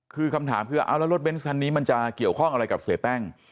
คือคำถามคือเอาแล้วรถเน้นคันนี้มันจะเกี่ยวข้องอะไรกับเสียแป้ง